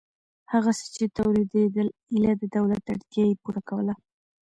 هغه څه چې تولیدېدل ایله د دولت اړتیا یې پوره کوله.